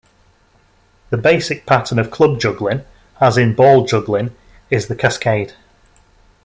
The basic pattern of club juggling, as in ball juggling, is the cascade.